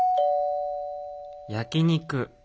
焼き肉。